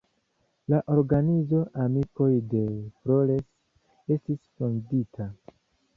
La organizo "amikoj de Flores" estis fondita.